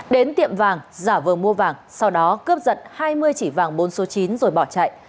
đến tiệm vàng giả vờ mua vàng sau đó cướp giật hai mươi chỉ vàng bốn số chín rồi bỏ chạy